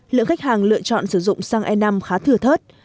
lượng khách hàng lựa chọn sử dụng sang e năm khá thừa thất